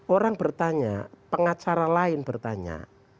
orang bertanya pengacara lain bertanya